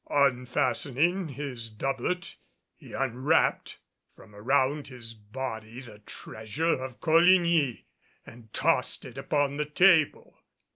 Unfastening his doublet he unwrapped from around his body the treasure of Coligny, and tossed it upon the table.